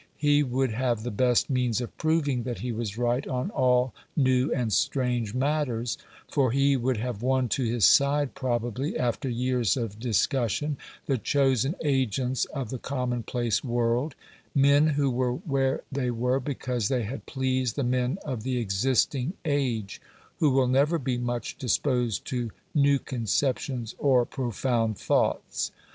He would have the best means of proving that he was right on all new and strange matters, for he would have won to his side probably, after years of discussion, the chosen agents of the commonplace world men who were where they were, because they had pleased the men of the existing age, who will never be much disposed to new conceptions or profound thoughts.